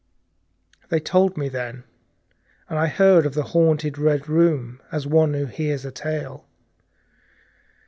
They told me then, and I heard of the haunted Red Room as one who hears a tale.